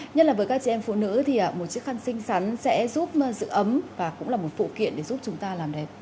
nhất là với các chị em phụ nữ thì một chiếc khăn xinh xắn sẽ giúp giữ ấm và cũng là một phụ kiện để giúp chúng ta làm đẹp